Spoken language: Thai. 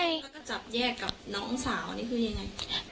ใช่แล้วก็จับแยกกับน้องสาวนี่คือยังไง